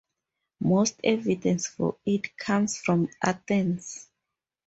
Most evidence for it comes from Athens.